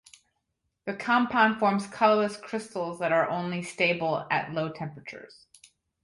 The compound forms colorless crystals that are only stable at low temperatures.